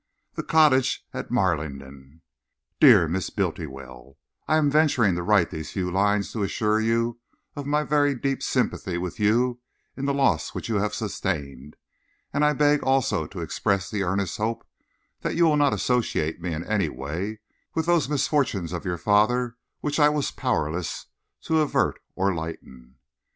The Cottage, Marlingden. Dear Miss Bultiwell, I am venturing to write these few lines to assure you of my very deep sympathy with you in the loss which you have sustained, and I beg also to express the earnest hope that you will not associate me in any way with those misfortunes of your father which I was powerless to avert or lighten.